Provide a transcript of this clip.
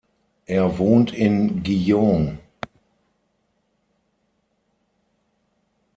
Er wohnt in Gijón.